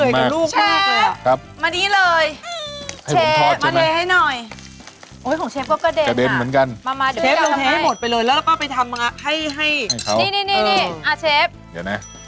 แม่เหนื่อยกับลูกมากเลยอะ